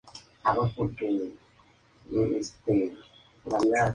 Existe una relación entre la baja autoeficacia y la depresión.